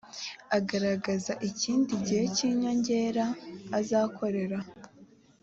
agaragaza ikindi gihe cy inyongera azakorera